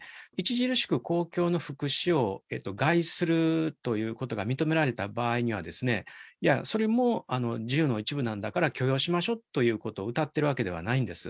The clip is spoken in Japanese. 著しく公共の福祉を害するということが認められた場合には、いや、それも自由の一部なんだから許容しましょうということをうたっているわけではないんです。